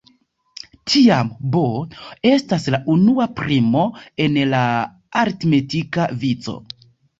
Tiam "b" estas la unua primo en la aritmetika vico.